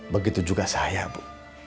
begitu juga saya bu